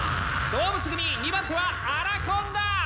動物組２番手はアナコンダ！